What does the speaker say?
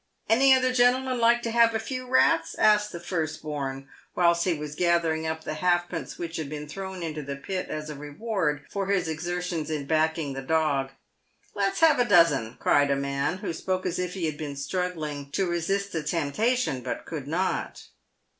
"Any other gentleman like to have N a few rats ?" asked the first born, whilst he was gathering up the halfpence which had been thrown into the pit as a reward for his exertions in backing the dog. " Let's have a dozen," cried a man, who spoke as if he had been struggling to resist the temptation, but could not.